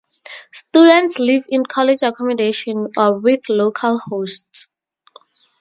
Students live in college accommodation or with local hosts.